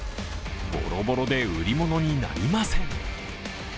ボロボロで売り物になりません。